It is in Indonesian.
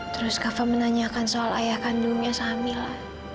terus kak fah menanyakan soal ayah kandungnya sama mila